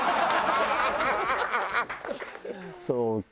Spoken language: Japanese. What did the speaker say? そうか。